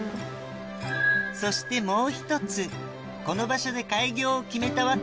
そしてもう１つこの場所で開業を決めた訳